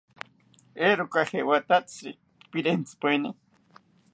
¿Eeroka jewatatziri perentzipaeni?